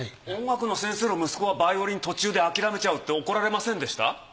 音楽の先生の息子がヴァイオリン途中で諦めちゃうって怒られませんでした？